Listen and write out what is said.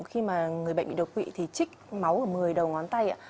khi mà người bệnh bị độc vị thì trích máu ở mười đầu ngón tay